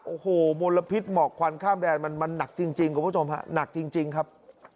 โอ้โหมลพิษหมอกควันข้ามแดนมันหนักจริงครับ